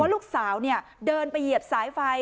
ว่าลูกสาวเนี่ยเดินไปเหยียบสายไฟ